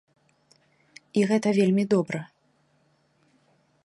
І гэта вельмі добра.